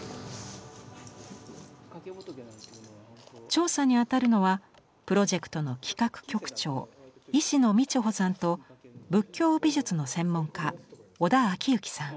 調査にあたるのはプロジェクトの企画局長石埜三千穂さんと仏教美術の専門家織田顕行さん。